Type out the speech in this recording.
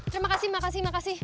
terima kasih makasih makasih